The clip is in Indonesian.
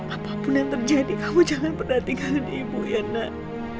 apapun yang terjadi kamu jangan berhenti kan ibu ya nak